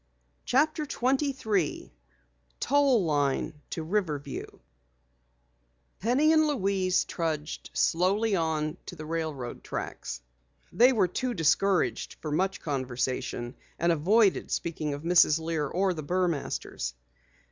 CHAPTER 23 TOLL LINE TO RIVERVIEW Penny and Louise trudged slowly on toward the railroad tracks. They were too discouraged for much conversation, and avoided speaking of Mrs. Lear or the Burmasters.